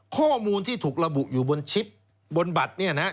ข้อมูลที่ถูกระบุอยู่บนชิปบนบัตรเนี่ยนะครับ